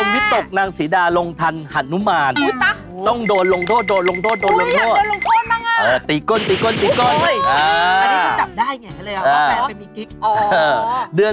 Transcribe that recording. ในช่วงสุดท้ายของเราต้องมองยังเหลืออีก๒เดือน